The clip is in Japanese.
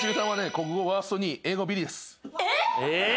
国語ワースト２位英語ビリです。